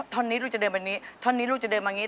ท่อนนี้ลูกจะเดินไปอย่างนี้